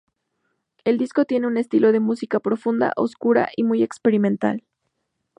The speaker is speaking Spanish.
El disco tiene un estilo de música profunda, oscura y muy experimental.